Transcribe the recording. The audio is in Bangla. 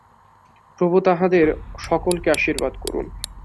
প্রভু তাঁহাদের সকলকে আশীর্বাদ করুন।